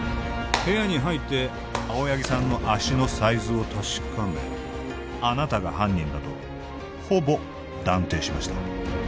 部屋に入って青柳さんの足のサイズを確かめあなたが犯人だとほぼ断定しました